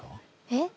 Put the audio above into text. えっ。